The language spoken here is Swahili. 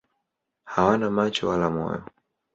Hawana macho wala moyo.